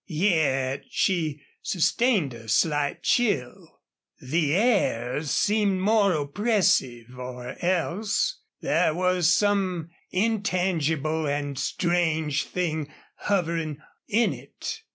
Yet she sustained a slight chill. The air seemed more oppressive, or else there was some intangible and strange thing hovering in it.